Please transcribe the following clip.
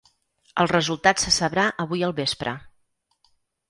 El resultat se sabrà avui al vespre.